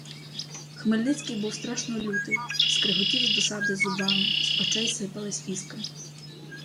Хмельницький був страшно лютий, скреготів з досади зубами, з очей сипались іскри.